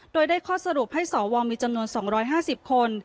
โดยได้ข้อสรุปให้สวมีจำนวน๒๕๐คน